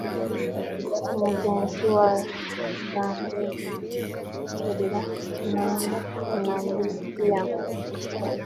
umugezi wa zambezi uhurira na namibiya